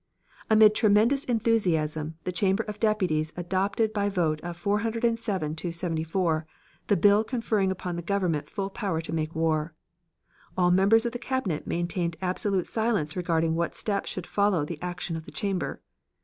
Amid tremendous enthusiasm the Chamber of Deputies adopted by vote of 407 to 74 the bill conferring upon the government full power to make war. All members of the Cabinet maintained absolute silence regarding what step should follow the action of the chamber.